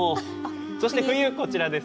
そして冬こちらです。